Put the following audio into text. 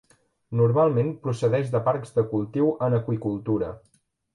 Normalment procedeix de parcs de cultiu en aqüicultura.